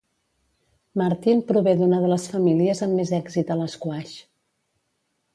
Martin prové d'una de les famílies amb més èxit a l'esquaix.